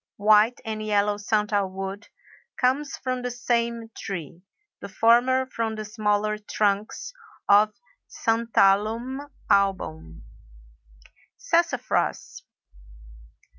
White and yellow santal wood comes from the same tree—the former from the smaller trunks of Santalum album. SASSAFRAS.